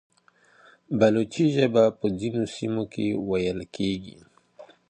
بلوچي ژبه په ځینو سیمو کې ویل کېږي.